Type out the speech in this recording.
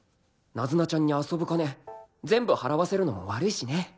ナズナちゃんに遊ぶ金全部払わせるのも悪いしね